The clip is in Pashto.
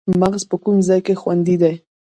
مغز په کوم ځای کې خوندي دی